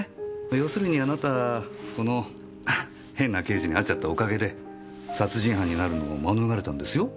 ようするにあなたこの変な刑事に会っちゃったおかげで殺人犯になるのを免れたんですよ？